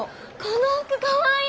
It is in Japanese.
この服かわいい！